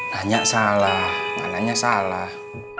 nanya salah gak nanya salah